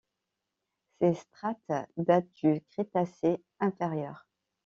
Ces strates datent du Crétacé inférieur.